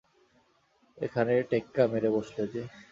এখানে টেক্কা মেরে বসলে যে!